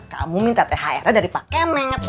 kamu minta thr dari pak kemet